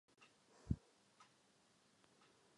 Za jejího velitele určil Morgoth svého pobočníka Saurona.